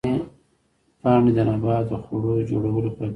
پاڼې د نبات د خوړو جوړولو فابریکې دي